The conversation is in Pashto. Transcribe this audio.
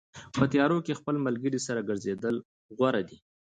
په تیارو کې د خپل ملګري سره ګرځېدل غوره دي.